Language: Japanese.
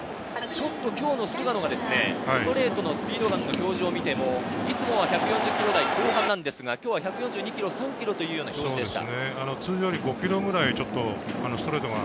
ちょっと今日の菅野はストレートのスピード表示を見ても、いつも１４０キロ台後半なんですが、１４２３キロというスピードでした。